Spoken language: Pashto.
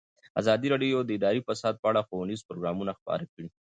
ازادي راډیو د اداري فساد په اړه ښوونیز پروګرامونه خپاره کړي.